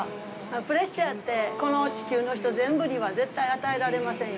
プレッシャーって、この地球の人全部には絶対与えられませんよ。